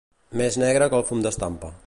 Més negre que el fum d'estampa.